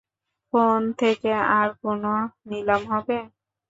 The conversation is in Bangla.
ফোন থেকে আর কোন নিলাম হবে?